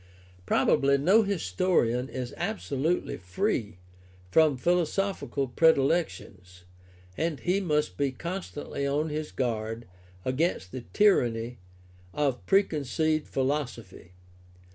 Probably no historian is absolutely free from philosophical predilections, and he must be constantly on his guard against the tyranny of pre conceived philosophy.